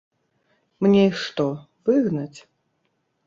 Мне іх што, выгнаць?